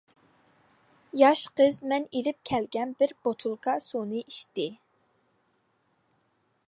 ياش قىز مەن ئېلىپ كەلگەن بىر بوتۇلكا سۇنى ئىچتى.